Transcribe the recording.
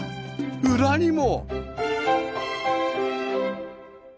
裏にも！